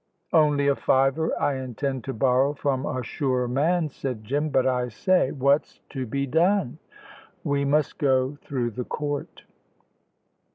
"Only a fiver I intend to borrow from a sure man," said Jim; "but I say, what's to be done?" "We must go through the court."